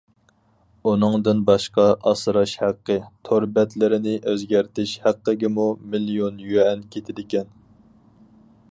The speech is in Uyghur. ئۇنىڭدىن باشقا ئاسراش ھەققى، تور بەتلىرىنى ئۆزگەرتىش ھەققىگىمۇ مىليون يۈەن كېتىدىكەن.